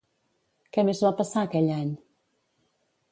Què més va passar aquell any?